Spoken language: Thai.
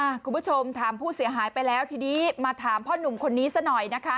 คุณผู้ชมถามผู้เสียหายไปแล้วทีนี้มาถามพ่อหนุ่มคนนี้ซะหน่อยนะคะ